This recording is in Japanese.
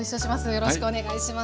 よろしくお願いします。